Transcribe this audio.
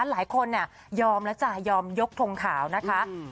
หลายคนเนี้ยยอมแล้วจ้ะยอมยกทรงข่าวนะคะอืม